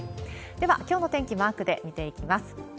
では、きょうの天気、マークで見ていきます。